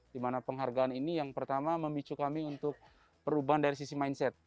dimana penghargaan ini yang pertama memicu kami untuk perubahan dari sisi mindset